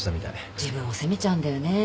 自分を責めちゃうんだよね。